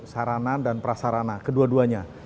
sarana dan prasarana kedua duanya